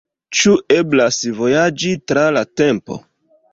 Ĉu eblas vojaĝi tra la tempo?